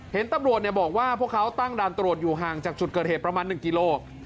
เห็นตำรวจบอกว่าพวกเขาตั้งด่านตรวจอยู่ห่างจากจุดเกิดเหตุประมาณ๑กิโล